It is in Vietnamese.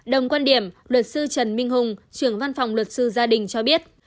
đồng quan điểm luật sư trần minh hùng trưởng văn phòng luật sư gia đình cho biết